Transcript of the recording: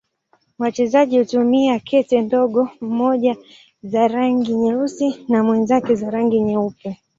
Wachezaji hutumia kete ndogo, mmoja za rangi nyeusi na mwenzake za rangi nyeupe.